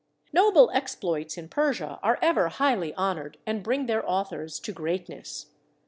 Noble exploits in Persia are ever highly honoured and bring their authors to great ness.